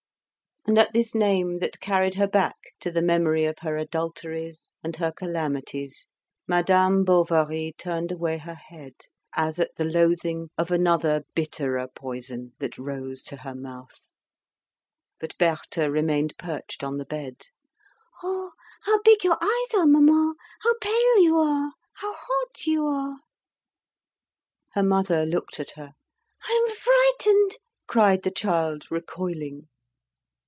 And at this name, that carried her back to the memory of her adulteries and her calamities, Madame Bovary turned away her head, as at the loathing of another bitterer poison that rose to her mouth. But Berthe remained perched on the bed. "Oh, how big your eyes are, mamma! How pale you are! how hot you are!" Her mother looked at her. "I am frightened!" cried the child, recoiling.